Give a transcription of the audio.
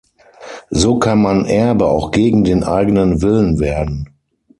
So kann man Erbe auch gegen den eigenen Willen werden.